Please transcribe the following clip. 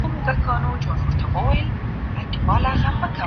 خدايه پاكه صرف يو دانه يار راتــــه وســــاتــــه